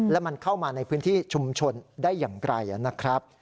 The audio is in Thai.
และมันเข้ามาในพื้นที่ชุมชนได้อย่างไกลนะครับ